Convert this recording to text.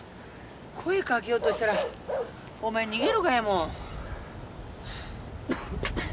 声かけようとしたらお前逃げるがやもん。